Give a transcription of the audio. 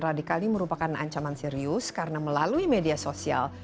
radikal ini merupakan ancaman serius karena melalui media sosial